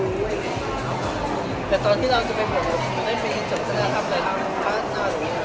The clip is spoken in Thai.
แต่ตอนที่เราจะไปบุญไม่ได้มีจงจะได้ทำอะไรท่านหน้าอะไรอย่างเงี้ย